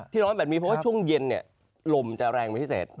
ร้อนแบบนี้เพราะว่าช่วงเย็นลมจะแรงเป็นพิเศษ